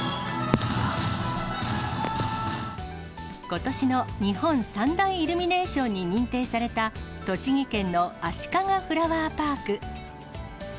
ことしの日本三大イルミネーションに認定された栃木県のあしかがフラワーパーク。